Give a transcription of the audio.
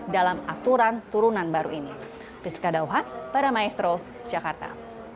dalam aturan turunan baru ini prisca dauhan para maestro jakarta